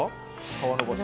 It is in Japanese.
皮のばし。